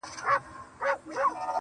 څوك دي د جاناني كيسې نه كوي,